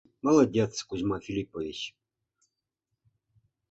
— Молодец, Кузьма Филиппович.